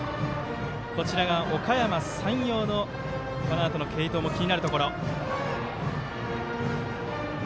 こちらが、おかやま山陽のこのあとの継投も気になるところ。